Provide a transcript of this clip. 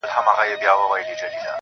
نو دا په ما باندي چا كوډي كړي_